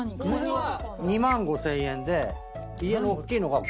２万５，０００円でおっきいのが５万。